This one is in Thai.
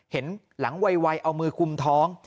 เห็นหลังไวเอามือคุมท้อง